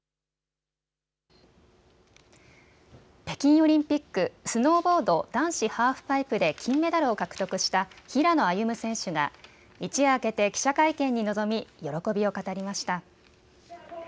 北京オリンピック、スノーボード男子ハーフパイプで金メダルを獲得した平野歩夢選手が一夜明けて記者会見に臨み喜びを語りました。